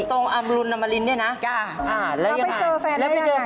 ตรงอำรุณนำรินนี่นะค่ะแล้วยังไงแล้วไปเจอแฟนเก่าได้ยังไง